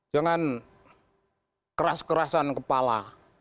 jangan keras kerasan kepala